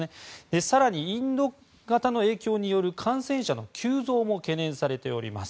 更に、インド型の影響による感染者の急増も懸念されております。